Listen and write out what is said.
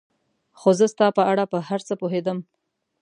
خو زه ستا په اړه په هر څه پوهېدم.